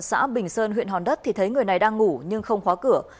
xã bình sơn huyện hòn đất thì thấy người này đang ngủ nhưng không khóa cửa